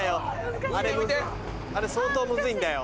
あれ相当ムズいんだよ。